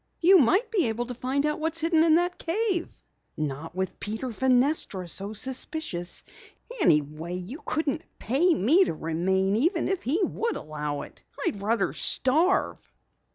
"You might be able to learn what's hidden in that cave." "Not with Peter Fenestra so suspicious. Anyway, you couldn't hire me to remain even if he would allow it. I'd rather starve."